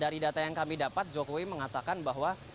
dari data yang kami dapat jokowi mengatakan bahwa